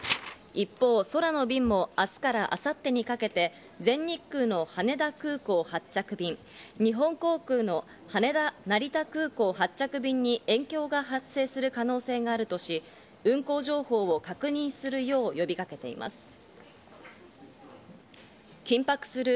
一方、空の便も明日から明後日にかけて、全日空の羽田空港発着便、日本航空の羽田・成田空港発着便に影響が発生する可能性があるとし、運航情報を確認するよう呼びかけています。